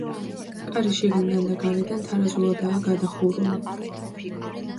კარი შიგნიდან და გარედან თარაზულადაა გადახურული.